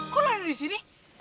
kok lu ada di sini